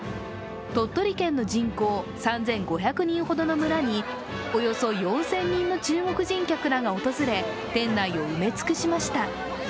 鳥取県の人口３５００人ほどの村におよそ４０００人の中国人客らが訪れ店内を埋め尽くしました。